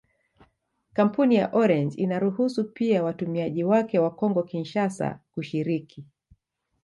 Kampuni ya Orange inaruhusu pia watumiaji wake wa Kongo-Kinshasa kushiriki.